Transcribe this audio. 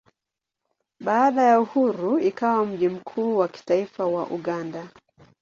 Baada ya uhuru ikawa mji mkuu wa kitaifa wa Uganda.